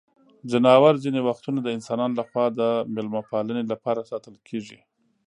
ځناور ځینې وختونه د انسانانو لخوا د مېلمه پالنې لپاره ساتل کیږي.